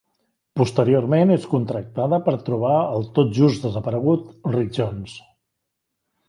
Posteriorment és contractada per trobar el tot just desaparegut Rick Jones.